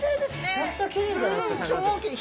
めちゃくちゃきれいじゃないですかさかなクン。